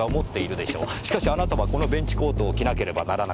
しかしあなたはこのベンチコートを着なければならなかった。